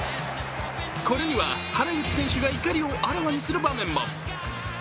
これには原口選手が怒りをあらわにする場面も。